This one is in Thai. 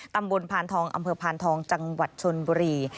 พานทองอำเภอพานทองจังหวัดชนบุรี